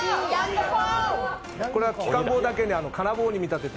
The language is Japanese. これは鬼金棒だけに金棒に見立てて。